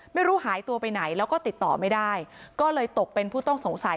ไม่รู้หายตัวไปไหนแล้วก็ติดต่อไม่ได้ก็เลยตกเป็นผู้ต้องสงสัย